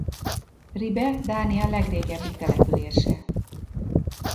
Ribe Dánia legrégebbi települése.